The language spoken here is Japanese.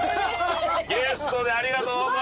ゲストでありがとうございます！